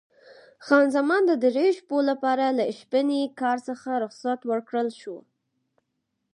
خان زمان د درې شپو لپاره له شپني کار څخه رخصت ورکړل شوه.